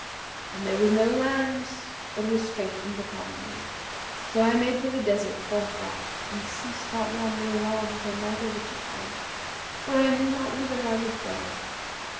And there was no land but was straitened upon me; so I made for the desert forthright and ceased not wandering on till night overtook me, for I knew not whither I was going.